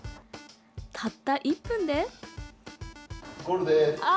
たった１分で。